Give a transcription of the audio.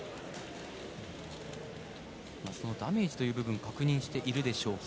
そのダメージという部分確認されているでしょうか。